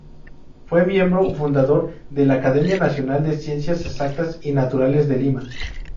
Fue miembro fundador de la Academia Nacional de Ciencias Exactas y Naturales de Lima.